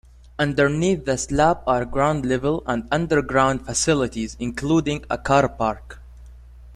Underneath the slab are ground-level and underground facilities, including a car park.